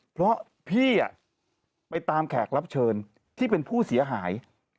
เพราะพี่ไปตามแขกรับเชิญที่เป็นผู้เสียหาย